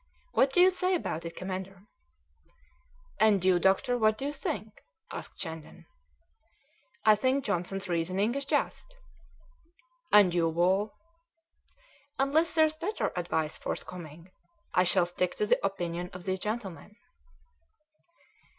What do you say about it, commander?" "And you, doctor what do you think?" asked Shandon. "I think Johnson's reasoning is just." "And you, Wall?" "Unless there's better advice forthcoming, I shall stick to the opinion of these gentlemen."